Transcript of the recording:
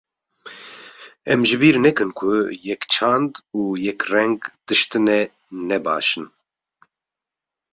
Em ji bîr nekin ku yekçand û yekreng tiştine ne baş in.